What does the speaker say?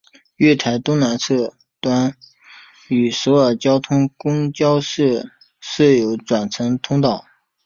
月台东南侧端与首尔交通公社车站设有转乘通道。